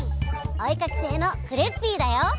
おえかきせいのクレッピーだよ！